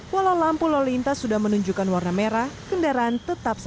walau lampu lalu lintas sudah menunjukkan warna merah kendaraan tetap saja